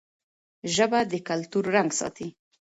ژبه د کلتور رنګ ساتي.